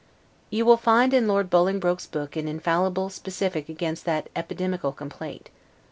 You will find in Lord Bolingbroke's book an infallible specific against that epidemical complaint.